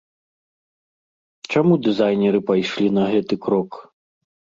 Чаму дызайнеры пайшлі на гэты крок?